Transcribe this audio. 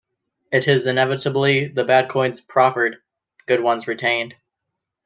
It is inevitably the bad coins proffered, good ones retained.